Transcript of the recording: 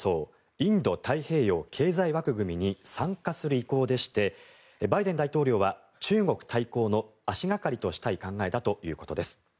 インド太平洋経済枠組みに参加する意向でしてバイデン大統領は中国対抗の足掛かりとしたい考えだということです。